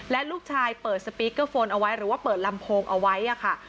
และลูกชายเปิดสปีกเกอร์โฟนเอาไว้หรือว่าเปิดลำโพงเอาไว้ค่ะ